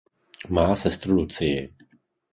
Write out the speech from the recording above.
Má sestru Lucii.